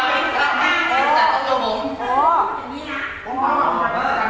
ครับได้ต้องใช่ต้องทางเต้อน้ำไหม